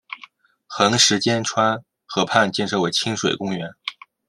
横十间川河畔建设为亲水公园。